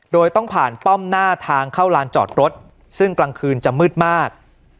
โดยต้องผ่านป้อมหน้าทางเข้าลานจอดรถซึ่งกลางคืนจะมืดมาก